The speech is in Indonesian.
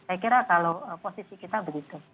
saya kira kalau posisi kita begitu